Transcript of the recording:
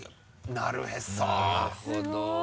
なるほど。